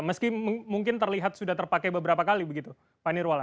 meski mungkin terlihat sudah terpakai beberapa kali begitu pak nirwal